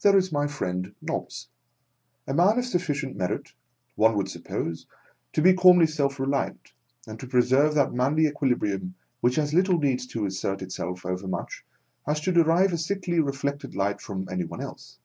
There is my friend Nobbs, A man of suf ficient merit, one would suppose, to be calmly self reliant, and to preserve that manly equi librium which as little needs to assert itself overmuch, as to derive a sickly reflected light from any one else.